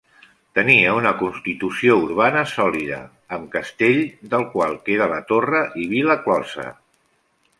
Tenia una constitució urbana sòlida, amb castell, del qual queda la torre, i vila closa.